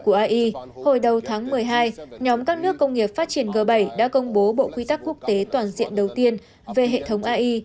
của ai hồi đầu tháng một mươi hai nhóm các nước công nghiệp phát triển g bảy đã công bố bộ quy tắc quốc tế toàn diện đầu tiên về hệ thống ai